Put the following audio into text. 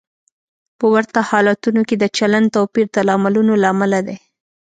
په ورته حالتونو کې د چلند توپیر د لاملونو له امله دی.